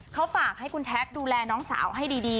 เขาฝากให้คุณแท็กดูแลน้องสาวให้ดี